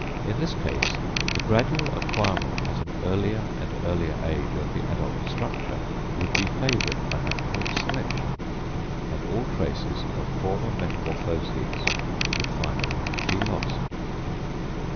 In this case the gradual acquirement at an earlier and earlier age of the adult structure would be favoured by natural selection; and all traces of former metamorphoses would finally be lost.